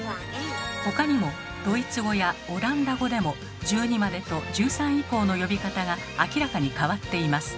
他にもドイツ語やオランダ語でも１２までと１３以降の呼び方が明らかに変わっています。